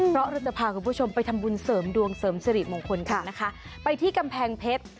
เพราะเราจะพาคุณผู้ชมไปทำบุญเสริมดวงเสริมสิริมงคลกันนะคะไปที่กำแพงเพชร